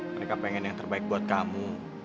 mereka pengen yang terbaik buat kamu